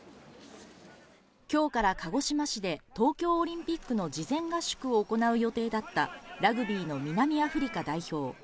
きょうから鹿児島市で、東京オリンピックの事前合宿を行う予定だった、ラグビーの南アフリカ代表。